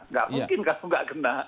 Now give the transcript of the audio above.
enggak mungkin kalau enggak kena